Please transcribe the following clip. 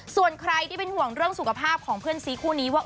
ส่วนใครที่เป็นห่วงเรื่องสุขภาพของเพื่อนซีคู่นี้ว่า